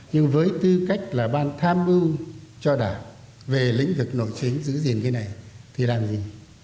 nhưng với tư cách là ban tham mưu cho đảng về lĩnh vực nội chính giữ gìn cái này thì làm gì